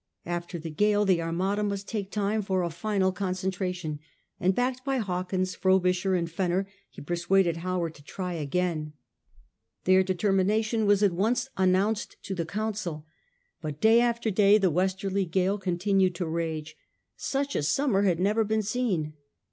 After the gale the Armada must take time for a final concentration, and backed by Hawkins, Frobisher, and Fenner, he persuaded Howard to try again. Their X THE QUEEN FRUSTRATES HIS PLANS 143 determination was at once announced to the Council. But day after day the westerly gale continued to rage. Such a summer had never been seen.